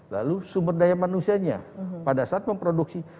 lalu sumber daya manusianya pada saat memproduksi